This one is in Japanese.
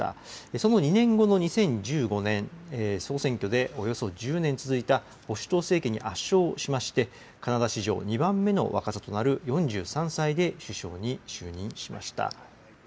その２年後の２０１５年、総選挙でおよそ１０年続いた保守党政権に圧勝しまして、カナダ史上２番目の若さとなる４３歳で首相に就任しました。